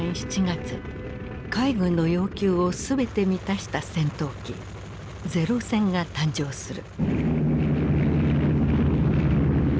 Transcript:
海軍の要求を全て満たした戦闘機零戦が誕生する。